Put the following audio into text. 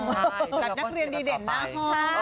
นักเรียนดีเด่นหน้าห้อง